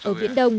ở viễn đông